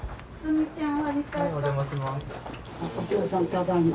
ただいま。